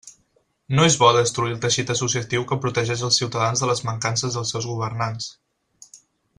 No és bo destruir el teixit associatiu que protegeix els ciutadans de les mancances dels seus governants.